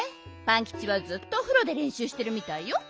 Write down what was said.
パンキチはずっとおふろでれんしゅうしてるみたいよ。